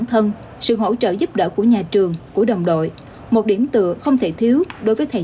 thân sự hỗ trợ giúp đỡ của nhà trường của đồng đội một điểm tựa không thể thiếu đối với thầy